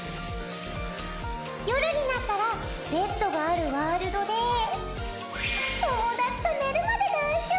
夜になったらベッドがあるワールドで友達と寝るまで談笑！